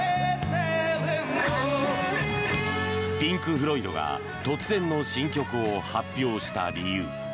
ピンク・フロイドが突然の新曲を発表した理由。